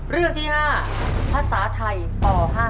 เรื่องที่๕ภาษาไทยป๕